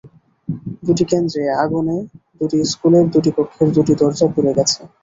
দুটি কেন্দ্রে আগুনে দুটি স্কুলের দুটি কক্ষের দুটি দরজা পুড়ে গেছে।